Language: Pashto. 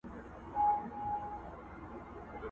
ټول عالم ليدل چي لوڅ سلطان روان دئ؛